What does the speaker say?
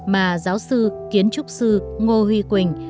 mà giáo sư kiến trúc sư ngô huy quỳnh